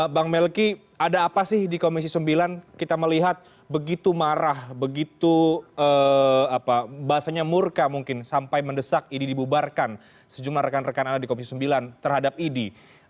bang melki ada apa sih di komisi sembilan kita melihat begitu marah begitu bahasanya murka mungkin sampai mendesak idi dibubarkan sejumlah rekan rekan anda di komisi sembilan terhadap idi